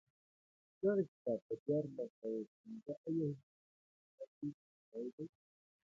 دغه کتاب په دیارلس سوه پنځه اویا هجري شمسي کال کې چاپ شوی دی